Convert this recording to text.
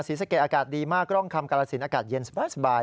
สะเกดอากาศดีมากร่องคำกรสินอากาศเย็นสบาย